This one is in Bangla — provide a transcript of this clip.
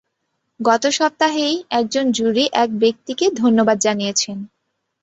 গত সপ্তাহেই একজন জুরি এক ব্যক্তিকে ধন্যবাদ জানিয়েছেন।